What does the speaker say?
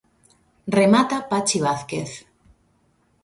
Remata Pachi Vázquez.